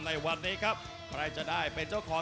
ในวันนี้ครับใครจะได้เป็นเจ้าของ